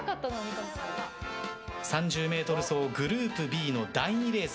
３０ｍ走グループＢの第２レース。